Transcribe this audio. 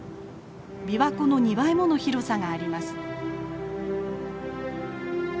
琵琶湖の２倍もの広さがあります。